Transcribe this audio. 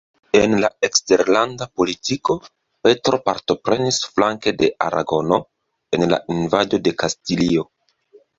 En la eksterlanda politiko, Petro partoprenis flanke de Aragono en la invado de Kastilio.